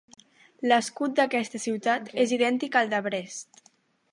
L'escut d'aquesta ciutat és idèntic al de Brest.